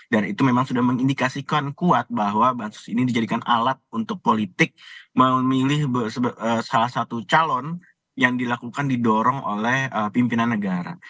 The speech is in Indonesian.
dan itu memang sudah mengindikasikan kuat bahwa bansos ini dijadikan alat untuk politik memilih salah satu calon yang dilakukan didorong oleh pimpinan negara